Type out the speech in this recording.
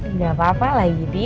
nggak apa apa lah giti